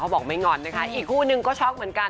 เขาบอกว่ามัยงอนนะคะอีกครูนึงก็ช็อคเหมือนกัน